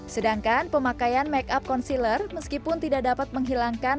sedangkan pemakaian make up concealer meskipun tidak dapat menghilangkan